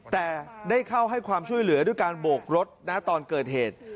แต่ได้เข้าให้ความช่วยเหลือด้วยการโบกรถนะตอนเกิดเหตุ